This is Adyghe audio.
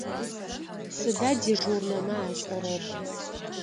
Сыда дежурнэмэ ашӏэрэр?